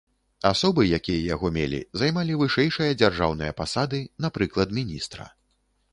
Асобы, якія яго мелі, займалі вышэйшыя дзяржаўныя пасады, напрыклад міністра.